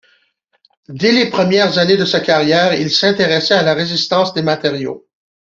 Dès les premières années de sa carrière, il s'intéressa à la résistance des matériaux.